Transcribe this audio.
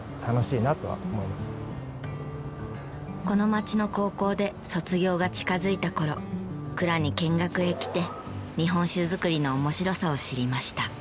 この町の高校で卒業が近づいた頃蔵に見学へ来て日本酒造りの面白さを知りました。